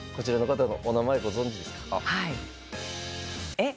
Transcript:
えっ？